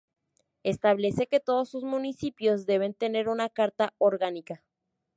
Establece que todos sus municipios deben tener una carta orgánica.